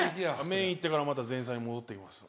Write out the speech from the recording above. メイン行ってからまた前菜に戻って来ます。